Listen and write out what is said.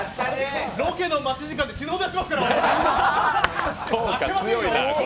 ロケの待ち時間で死ぬほどやってますからね、負けませんよ。